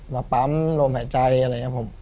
มาปั๊มลมหายใจอะไรอย่างนี้ผม